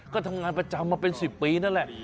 ก็ทำงานประจำมาเป็น๑๐ปีนั่นแหละ